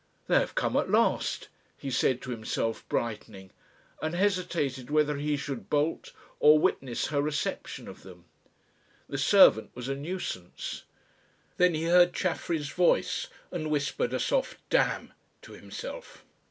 "They have come at last," he said to himself brightening, and hesitated whether he should bolt or witness her reception of them. The servant was a nuisance. Then he heard Chaffery's voices and whispered a soft "damn!" to himself.